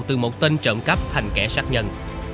từ một tên trộm cắp thành kẻ sát nhân